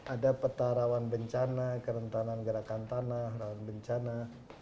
ada peta rawan bencana kerentanan gerakan tanah rawan bencana